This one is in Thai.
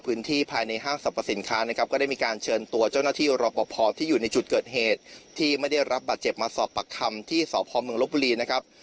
ภายในห้างสรรพสินค้านะครับก็ได้มีการเชิญตัวเจ้าหน้าที่รอปภที่อยู่ในจุดเกิดเหตุที่ไม่ได้รับบาดเจ็บมาสอบปากคำที่สพเมืองลบบุรีนะครับ